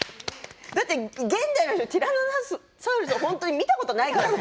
現代の人ティラノサウルスを本当に見たことないからね。